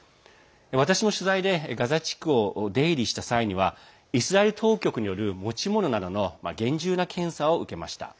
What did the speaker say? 私も取材でガザ地区を出入りした際にはイスラエル当局による持ち物などの厳重な検査を受けました。